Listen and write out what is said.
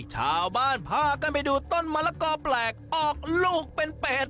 ชาวบ้านพากันไปดูต้นมะละกอแปลกออกลูกเป็นเป็ด